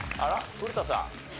古田さん。